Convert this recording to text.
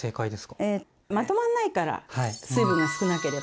まとまんないから水分が少なければ。